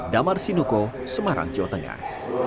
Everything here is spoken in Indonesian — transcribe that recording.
damar sinuko semarang jawa tengah